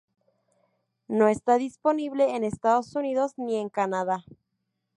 No está disponible en Estados Unidos ni en Canadá.